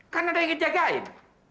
kan ada yang ngejagain